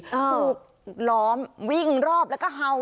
ถูกล้อมวิ่งรอบแล้วก็เห่า